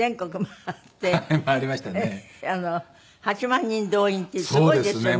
８万人動員ってすごいですよ